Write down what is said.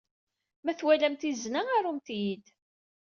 Ma twalamt izen-a, arumt-iyi-d.